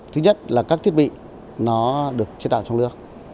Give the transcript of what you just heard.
thứ nhất là các thiết bị nó được chế tạo trong nước